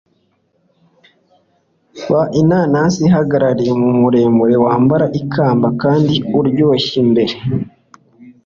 ba inanasi ihagarare muremure wambare ikamba kandi uryoshye imbere